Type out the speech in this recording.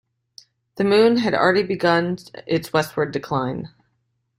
The moon had already begun its westward decline.